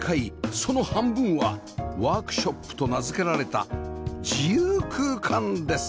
その半分はワークショップと名付けられた自由空間です！